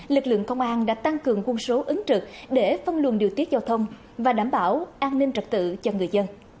lực lượng công an đã tăng cường quân số ứng trực để phân luồng điều tiết giao thông và đảm bảo an ninh trật tự cho người dân